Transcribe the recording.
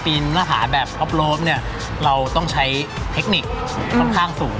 ปีนหน้าผ่าแบบเนี้ยเราต้องใช้เทคนิคค่อนข้างสูง